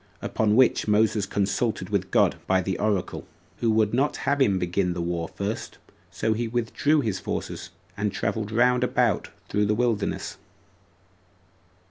Upon which Moses consulted God by the oracle, who would not have him begin the war first; and so he withdrew his forces, and traveled round about through the wilderness.